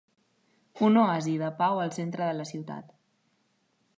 Un oasi de pau al centre de la ciutat.